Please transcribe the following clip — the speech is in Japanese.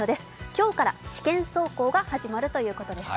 今日から試験走行が始まるということです。